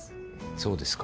そうですか。